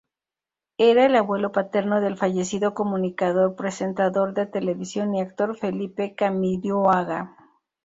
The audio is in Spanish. Era el abuelo paterno del fallecido comunicador, presentador de televisión y actor Felipe Camiroaga.